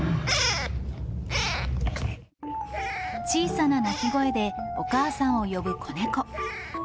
小さな鳴き声でお母さんを呼ぶ子ネコ。